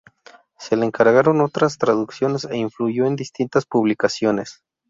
Se le encargaron otras traducciones e influyó en distintas publicaciones.